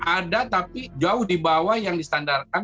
ada tapi jauh di bawah yang distandarkan